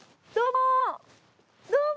どうも。